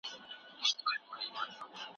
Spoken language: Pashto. قاچاق د پالیسۍ وسیله ده.